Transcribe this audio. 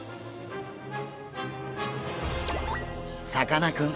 さかなクン